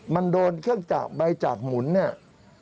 มันโดนเครื่องจักรใบจากหมุนเนี่ย